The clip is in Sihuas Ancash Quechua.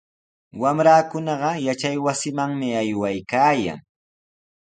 Wamrakunaqa yachaywasimanmi aywaykaayan.